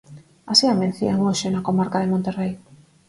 Así amencían hoxe na comarca de Monterrei.